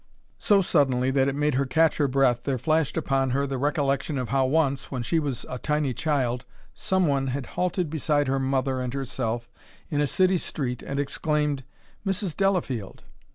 So suddenly that it made her catch her breath there flashed upon her the recollection of how once, when she was a tiny child, some one had halted beside her mother and herself in a city street and exclaimed "Mrs. Delafield!"